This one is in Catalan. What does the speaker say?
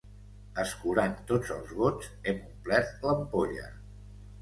Escurant tots els gots hem omplert l'ampolla.